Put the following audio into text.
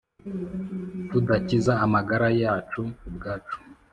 tudakiza amagara yacu ubwacu